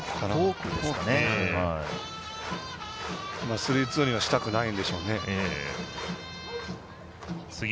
スリーツーにはしたくないんでしょうね。